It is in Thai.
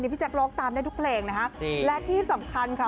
พี่แจ๊คร้องตามได้ทุกเพลงนะฮะและที่สำคัญค่ะ